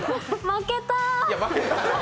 負けたー！